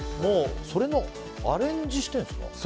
それのアレンジしてるんですか。